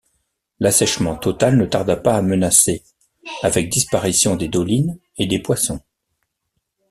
L'assèchement total ne tarda pas à menacer, avec disparition des dolines et des poissons.